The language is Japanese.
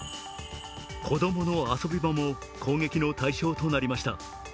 子供の遊び場も攻撃の対象となりました。